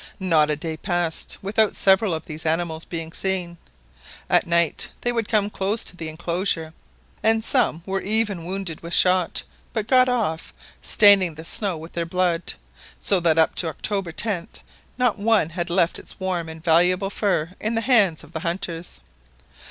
Not a day passed without several of these animals being seen. At night they would come close up to the enclosure, and sane were even wounded with shot, but got off, staining the snow with their blood, so that up to October 10th not one had left its warm and valuable fur in the hands of the hunters.